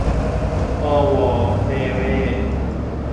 พ่อว่อแพ่แว่